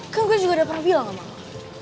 kan gue juga udah pernah bilang sama lo